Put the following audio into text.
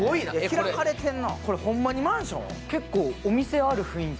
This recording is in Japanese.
これ、ホンマにマンション？